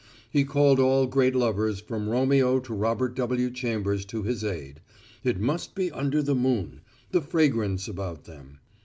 He called all great lovers from Romeo to Robert W. Chambers to his aid it must be under the moon, the fragrance about them.